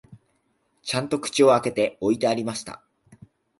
ちゃんと口を開けて置いてありました